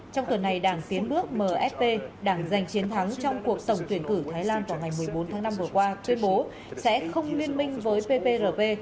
trong tuần này đảng tiến bước mfp đảng giành chiến thắng trong cuộc tổng tuyển cử thái lan vào ngày một mươi bốn tháng năm vừa qua tuyên bố sẽ không liên minh với pprp